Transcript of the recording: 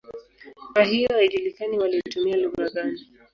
Kwa hiyo haijulikani walitumia lugha gani.